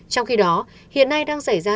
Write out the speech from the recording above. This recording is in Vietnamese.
trong khi đó hiện nay đang xảy ra